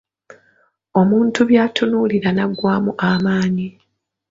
Omuntu by'atunuulira n'aggwaamu amaanyi.